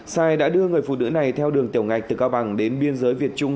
sai đã đưa người phụ nữ này theo đường tiểu ngạch từ cao bằng đến biên giới việt trung